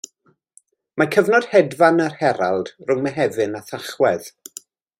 Mae cyfnod hedfan yr herald rhwng Mehefin a Thachwedd.